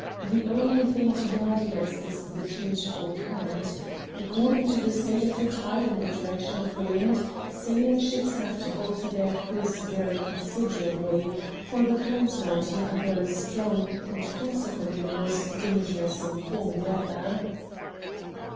The only thing to guard against is the changeful current. According to the state of the tide and the direction of the wind, sailing ships have to alter their course very considerably, for the currents round here are very strong and consequently most dangerous in calm weather."